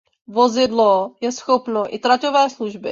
Vozidlo je schopno i traťové služby.